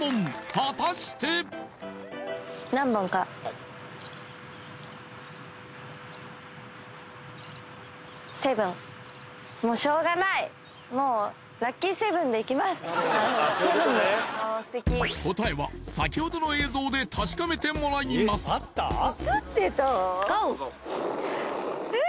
果たしてはい答えは先ほどの映像で確かめてもらいますゴー！